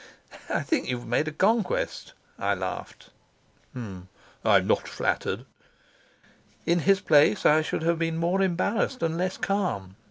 "I think you've made a conquest," I laughed. "I'm not flattered." In his place I should have been more embarrassed and less calm.